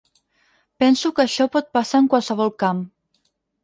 Penso que això pot passar en qualsevol camp.